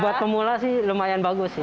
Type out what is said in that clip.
buat pemula sih lumayan bagus sih